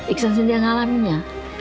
iksan sendiri yang ngalahinnya